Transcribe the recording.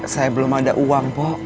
saya belum ada uang bu